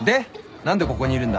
何でここにいるんだ？